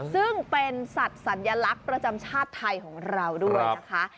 ซึ่งเป็นสัตว์สัญลักษณ์ประจำชาติไทยของเราด้วยนะคะ